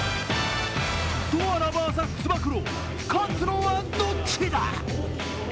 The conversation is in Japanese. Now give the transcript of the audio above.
ドアラＶＳつば九郎、勝つのはどっちだ！